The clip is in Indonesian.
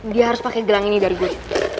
dia harus pake gelang ini dari gue